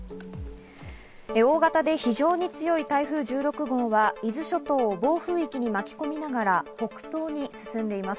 大型で非常に強い台風１６号は伊豆諸島を暴風域に巻き込みながら北東に進んでいます。